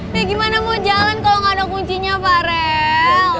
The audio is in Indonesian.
ya gimana mau jalan kalo ga ada kuncinya pak rel